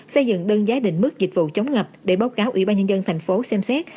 xây dựng đơn giá định mức dịch vụ chống ngập để báo cáo ủy ban nhân dân thành phố xem xét